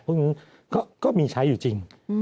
พวกนี้ก็มีใช้อยู่จริง